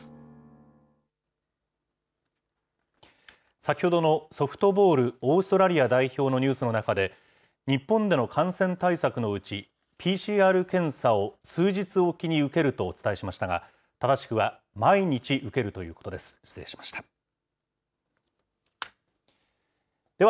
先ほどのソフトボールオーストラリア代表のニュースの中で、日本での感染対策のうち、ＰＣＲ検査を数日置きに受けるとお伝えしましたが、正しくは毎日受けるということです。